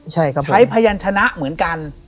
ใช้พยันธนะเหมือนกัน